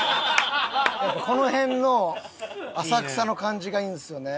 この辺の浅草の感じがいいんですよね。